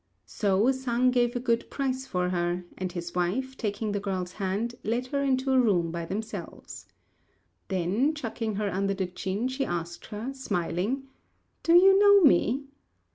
So Sang gave a good price for her; and his wife, taking the girl's hand, led her into a room by themselves. Then, chucking her under the chin, she asked her, smiling, "Do you know me?"